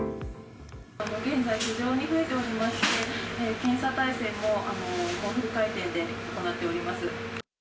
現在、非常に増えておりまして、検査体制もフル回転で行っております。